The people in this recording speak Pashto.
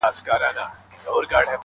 شکوڼ که حلال دئ، رنگ ئې د مردار دئ.